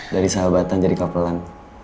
dari sahabatan jadi kapelan